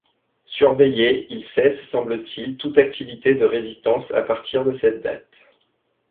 Surveillé, il cesse semble-t-il toute activité de résistance à partir de cette date.